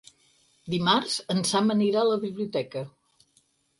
Dimarts en Sam anirà a la biblioteca.